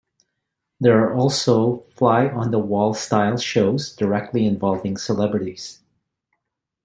There are also fly-on-the-wall-style shows directly involving celebrities.